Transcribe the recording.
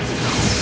aku akan menang